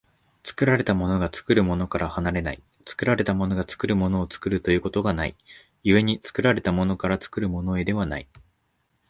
作られたものが作るものから離れない、作られたものが作るものを作るということがない、故に作られたものから作るものへではない。